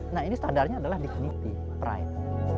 nah ini standarnya adalah dignity pride